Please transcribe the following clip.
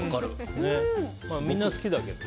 まあみんな、好きだけど。